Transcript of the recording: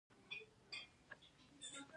پالک څنګه پاکیږي؟